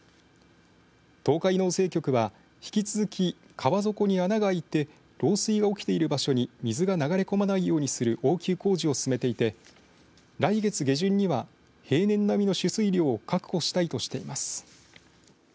東海農政局は引き続き、川底に穴があいて漏水が起きている場所に水が流れ込まないようにする応急工事を進めていて来月下旬には平年並みの取水量を確保したいとしています。